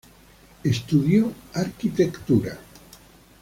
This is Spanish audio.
Estudió Arquitectura.